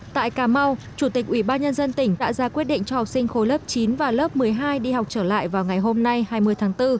tại cà mau chủ tịch ubnd tỉnh đã ra quyết định cho học sinh khối lớp chín và lớp một mươi hai đi học trở lại vào ngày hôm nay hai mươi tháng bốn